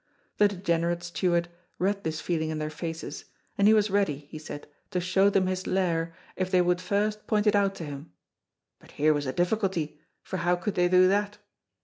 The degenerate Stuart read this feeling in their faces, and he was ready, he said, to show them his Lair if they would first point it out to him; but here was a difficulty, for how could they do that?